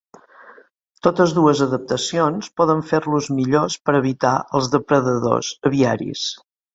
Totes dues adaptacions poden fer-los millors per a evitar els depredadors aviaris.